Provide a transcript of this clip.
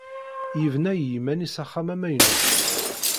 Yebna i yiman-is axxam amaynut.